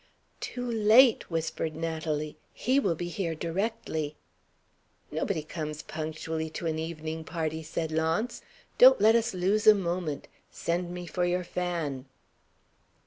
"Too late!" whispered Natalie. "He will be here directly." "Nobody comes punctually to an evening party," said Launce. "Don't let us lose a moment. Send me for your fan."